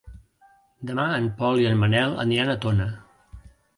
Demà en Pol i en Manel aniran a Tona.